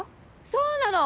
そうなの！